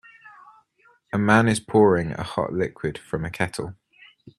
A man is pouring a hot liquid from a kettle.